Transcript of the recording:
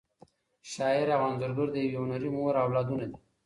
شاعر او انځورګر د یوې هنري مور اولادونه دي.